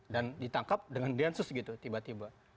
dan ditangkap dengan diensus gitu tiba tiba